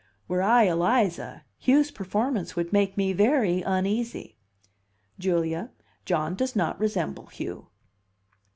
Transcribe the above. "Were I Eliza, Hugh's performance would make me very uneasy." "Julia, John does not resemble Hugh."